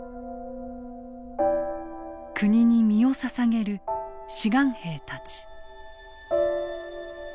国に身をささげる志願兵たち。